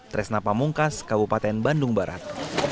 tresna pamungkas kabupaten bandung barat